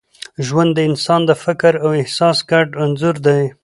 ژوند د انسان د فکر او احساس ګډ انځور دی.